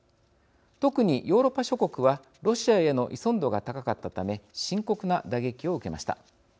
特に、ヨーロッパ諸国はロシアへの依存度が高かったため深刻な打撃を受けました。